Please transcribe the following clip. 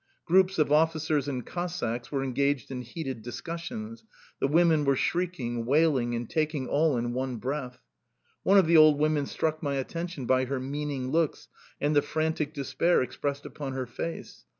Groups of officers and Cossacks were engaged in heated discussions; the women were shrieking, wailing and talking all in one breath. One of the old women struck my attention by her meaning looks and the frantic despair expressed upon her face.